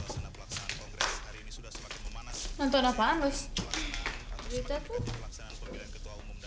aku bilang ada yang tak miris wah kacau nih